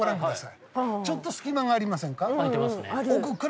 ちょっと隙間がありませんか。